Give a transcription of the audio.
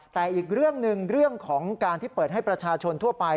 แต่อีกเรื่องหนึ่งเรื่องของการที่เปิดให้ประชาชนทั่วไป